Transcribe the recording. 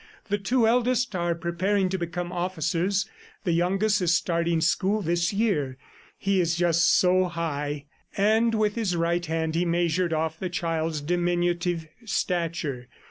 "The two eldest are preparing to become officers. The youngest is starting school this year. ... He is just so high." And with his right hand he measured off the child's diminutive stature.